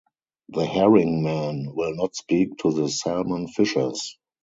The herring-men will not speak to the salmon-fishers.